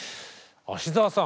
芦澤さん。